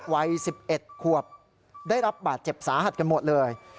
วัย๑๑ขวบได้รับบาดเจ็บสาหัสกันหมดเลย